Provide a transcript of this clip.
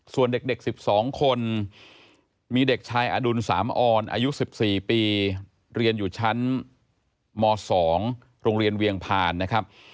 ส่วนเด็ก๑๒คนมีเด็กชายอดุลสามออนอายุ๑๔ปีเรียนอยู่ชั้นม๒โรงเรียนเวียงพานนะครับ